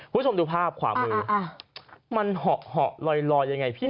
ผู้ชมดูภาพขวามือมันเหาะเหาะลอยลอยยังไงพี่ตน